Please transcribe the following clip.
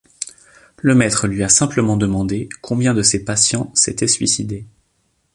Le maître lui a simplement demandé combien de ses patients s'étaient suicidés.